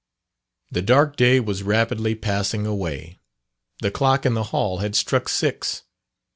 The dark day was rapidly passing away the clock in the hall had struck six.